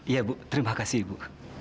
iya bu terima kasih ibu